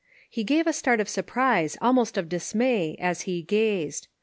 He gave a start of surprise, almost of dismay, as he gazed.